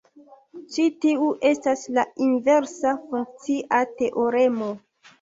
Ĉi tiu estas la inversa funkcia teoremo.